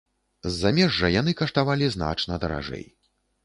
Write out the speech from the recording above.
З замежжа яны каштавалі значна даражэй.